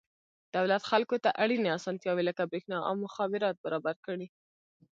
دولت خلکو ته اړینې اسانتیاوې لکه برېښنا او مخابرات برابر کړي.